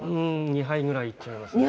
２杯ぐらいいっちゃいますね